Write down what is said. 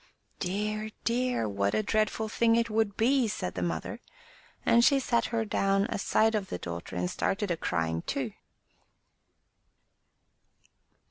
"Dear, dear! what a dreadful thing it would be!" said the mother, and she sat her down aside of the daughter and started a crying too.